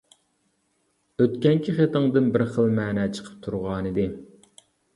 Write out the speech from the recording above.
-ئۆتكەنكى خېتىڭدىن بىر خىل مەنە چىقىپ تۇرغانىدى.